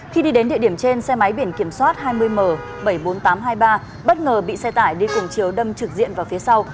khi đi đến địa điểm trên xe máy biển kiểm soát hai mươi m bảy mươi bốn nghìn tám trăm hai mươi ba bất ngờ bị xe tải đi cùng chiều đâm trực diện vào phía sau